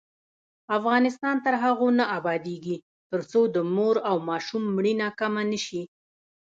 افغانستان تر هغو نه ابادیږي، ترڅو د مور او ماشوم مړینه کمه نشي.